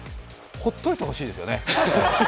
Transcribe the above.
放っておいてほしいですよね。